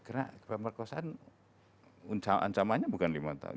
karena pemerkosaan ancamannya bukan lima tahun